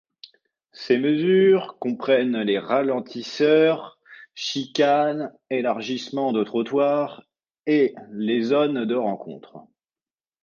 Ces mesures comprennent les ralentisseurs, chicanes, élargissements de trottoirs, et les zones de rencontre.